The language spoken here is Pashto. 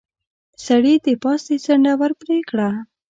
سړي د پاستي څنډه ور پرې کړه.